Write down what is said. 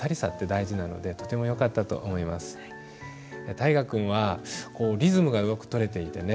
大河君はリズムがよくとれていてね